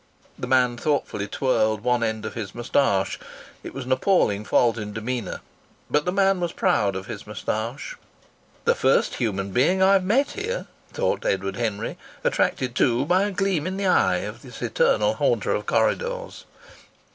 The man thoughtfully twirled one end of his moustache. It was an appalling fault in demeanour; but the man was proud of his moustache. "The first human being I've met here!" thought Edward Henry, attracted too by a gleam in the eye of this eternal haunter of corridors.